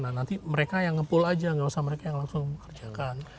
nah nanti mereka yang ngepul aja nggak usah mereka yang langsung mengerjakan